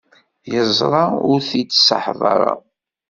Yeẓra ur t-id-ṣaḥeḍ ara.